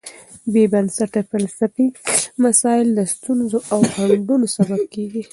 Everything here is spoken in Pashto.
بېبنسټه فلسفي مسایل د ستونزو او خنډونو سبب کېږي.